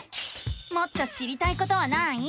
もっと知りたいことはない？